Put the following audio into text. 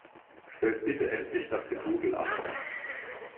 Stellt bitte endlich das Gedudel ab!